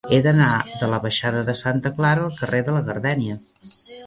He d'anar de la baixada de Santa Clara al carrer de la Gardènia.